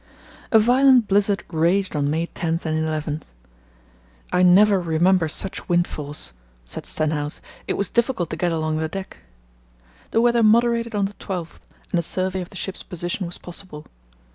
A violent blizzard raged on May 10 and 11. "I never remember such wind force," said Stenhouse. "It was difficult to get along the deck." The weather moderated on the 12th, and a survey of the ship's position was possible.